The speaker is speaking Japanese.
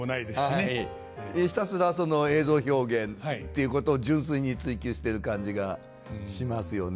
ひたすらその映像表現ということを純粋に追求してる感じがしますよね。